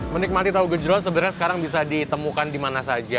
menikmati tahu gejerot sebenarnya sekarang bisa ditemukan dimana saja